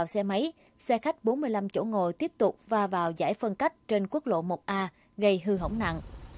xe máy xe khách bốn mươi năm chỗ ngồi tiếp tục va vào giải phân cách trên quốc lộ một a gây hư hỏng nặng